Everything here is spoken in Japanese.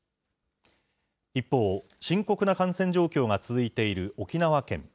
一方、深刻な感染状況が続いている沖縄県。